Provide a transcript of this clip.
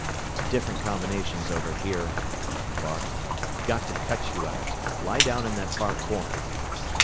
"Different combinations over here!" he barked. "Got to cut you out lie down in that far corner!"